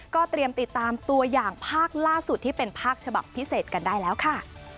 ก็เตรียมติดตามตัวอย่างภาคล่าสุดที่เป็นภาคฉบับพิเศษกันได้แล้วค่ะ